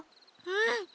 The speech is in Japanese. うん！